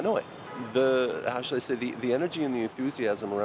nó rất tốt bởi vì những chuyện đã xảy ra rồi